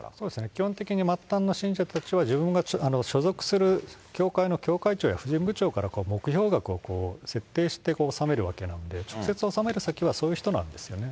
基本的に末端の信者たちは、自分が所属する教会の教会長や婦人部長から目標額を設定して納めるわけなんで、直接納める先はそういう人なんですよね。